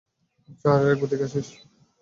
ওর চেহারাটা একবার দেখেছিস?